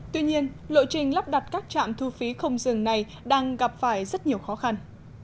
tuy nhiên lộ trình lắp đặt các trạm thu phí không dừng này đang gặp phải rất nhiều khó khăn